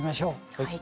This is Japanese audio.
はい。